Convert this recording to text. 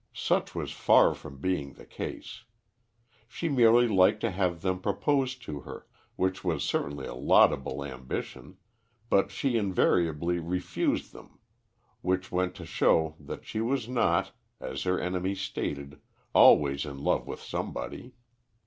Such was far from being the case. She merely liked to have them propose to her, which was certainly a laudable ambition, but she invariably refused them, which went to show that she was not, as her enemies stated, always in love with somebody.